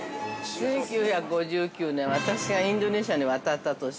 ◆１９５９年、私がインドネシアに渡った年。